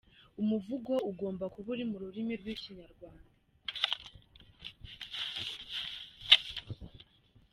Umuvugo ugomba kuba uri mu rurimi rw’ikinyarwanda.